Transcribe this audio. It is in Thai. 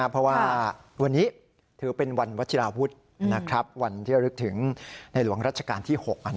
เพราะว่าวันนี้ถือเป็นวันวัชิราวุฒิวันที่ระลึกถึงในหลวงรัชกาลที่๖